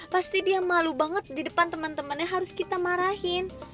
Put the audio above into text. pasti dia malu banget di depan teman temannya harus kita marahin